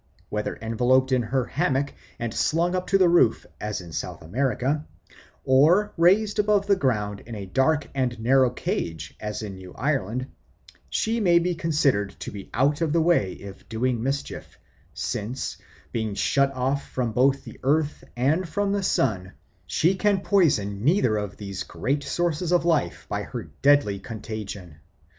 Whether enveloped in her hammock and slung up to the roof, as in South America, or raised above the ground in a dark and narrow cage, as in New Ireland, she may be considered to be out of the way of doing mischief, since, being shut off both from the earth and from the sun, she can poison neither of these great sources of life by her deadly contagion.